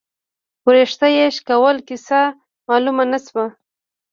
، وېښته يې شکول، کيسه مالومه شوه